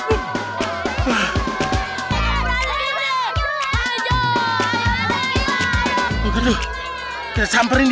kalian baik deh sama kita